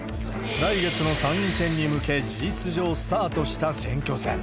来月の参院選に向け、事実上スタートした選挙戦。